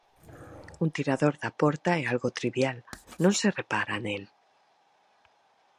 Un tirador da porta é algo trivial, non se repara nel.